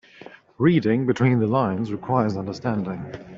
Reading between the lines requires understanding.